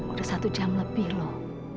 udah satu jam lebih loh